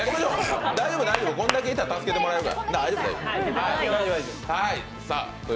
大丈夫、大丈夫これだけいたら助けてもらえるから。